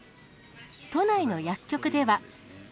都内の薬局では。